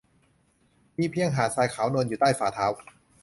มีเพียงหาดทรายขาวนวลอยู่ใต้ฝ่าเท้า